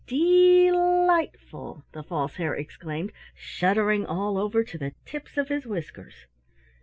"Dee lightful!" the False Hare exclaimed, shuddering all over to the tips of his whiskers.